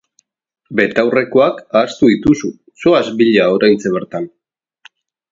Betaurrekoak ahaztu dituzu, zoaz bila oraintxe bertan!